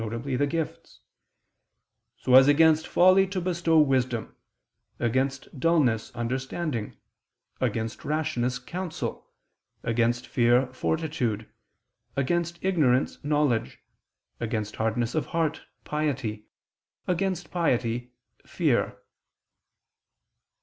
the gifts), so "as against folly to bestow wisdom; against dullness, understanding; against rashness, counsel; against fear, fortitude; against ignorance, knowledge; against hardness of heart, piety; against piety, fear."